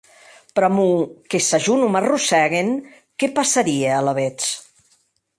Pr'amor que, s'a jo non m'arrossèguen, qué passarie alavetz?